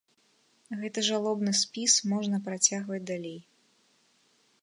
Гэты жалобны спіс можна працягваць далей.